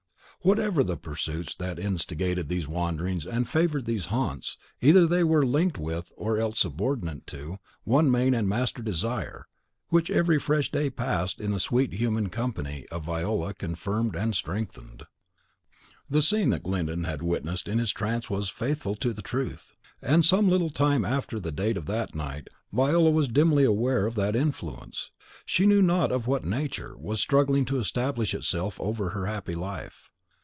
Whatever the pursuits that instigated these wanderings and favoured these haunts, either they were linked with, or else subordinate to, one main and master desire, which every fresh day passed in the sweet human company of Viola confirmed and strengthened. The scene that Glyndon had witnessed in his trance was faithful to truth. And some little time after the date of that night, Viola was dimly aware that an influence, she knew not of what nature, was struggling to establish itself over her happy life.